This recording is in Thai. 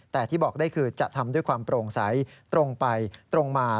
แต่ที่บอกได้คือจะทำด้วยความโปร่งใสตรงไปตรงมา